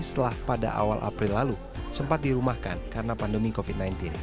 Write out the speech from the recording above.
setelah pada awal april lalu sempat dirumahkan karena pandemi covid sembilan belas